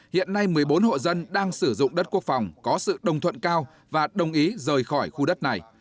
hiện nay một mươi bốn hộ dân đang sử dụng đất quốc phòng có sự đồng thuận cao và đồng ý rời khỏi khu đất này